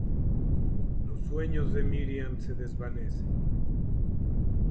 Los sueños de Myriam se desvanecen.